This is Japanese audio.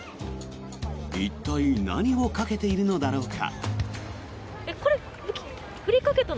一体何をかけているのだろうか。